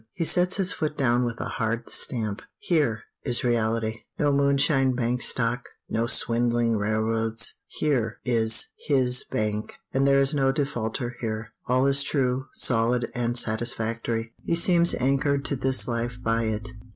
He sets his foot down with a hard stamp; here is reality. No moonshine bank stock! no swindling railroads! Here is his bank, and there is no defaulter here. All is true, solid, and satisfactory; he seems anchored to this life by it.